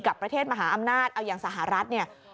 กับประเทศมหาอำนาจอย่างสหรัฐ